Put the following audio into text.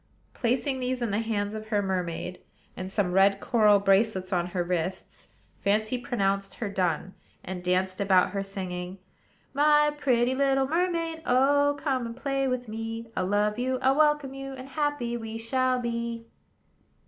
Placing these in the hands of her mermaid, and some red coral bracelets on her wrists, Fancy pronounced her done; and danced about her, singing: "My pretty little mermaid, Oh! come, and play with me: I'll love you, I'll welcome you; And happy we shall be."